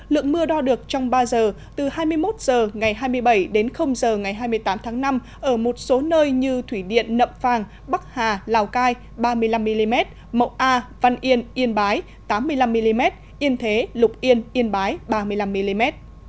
lượng mưa đo được trong ba giờ từ hai mươi một h ngày hai mươi bảy đến h ngày hai mươi tám tháng năm ở một số nơi như thủy điện nậm phàng bắc hà lào cai ba mươi năm mm mậu a văn yên yên bái tám mươi năm mm yên thế lục yên yên bái ba mươi năm mm